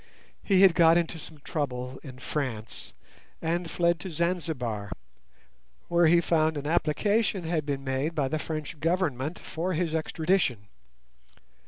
He had got into some trouble in France, and fled to Zanzibar, where he found an application had been made by the French Government for his extradition.